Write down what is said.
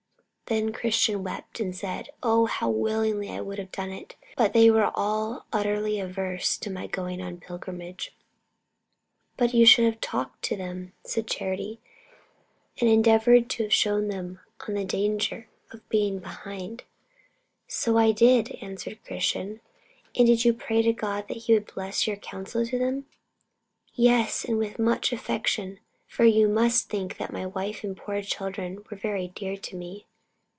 Then Christian wept, and said: "Oh, how willingly would I have done it; but they were all utterly averse to my going on pilgrimage." "But you should have talked to them," said Charity, "and have endeavoured to have shown them the danger of being behind." "So I did," answered Christian. "And did you pray to God that He would bless your counsel to them?" "Yes, and with much affection; for you must think that my wife and poor children were very dear unto me."